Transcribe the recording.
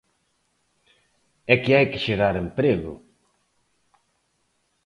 É que hai que xerar emprego.